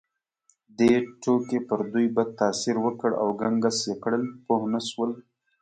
دې ټوکې پر دوی بد تاثیر وکړ او ګنګس یې کړل، پوه نه شول.